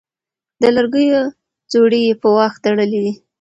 د لرګيو ځوړی يې په واښ تړلی دی